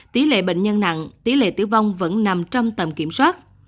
tỷ lệ bệnh nhân nặng tỷ lệ tử vong vẫn nằm trong tầm kiểm soát